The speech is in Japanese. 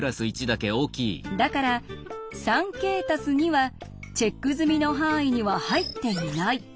だから「３ｋ＋２」はチェック済みの範囲には入っていない。